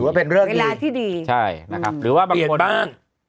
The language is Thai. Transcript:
ถือว่าเป็นเรื่องเวลาที่ดีใช่นะครับหรือว่าบางคน